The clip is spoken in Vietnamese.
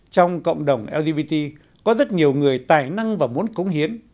trong cộng đồng lgbt có rất nhiều người tài năng và muốn cống hiến